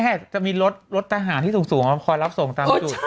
มีตัววิทยุคีย์รถทาหารที่สูงมารับการทรงตาม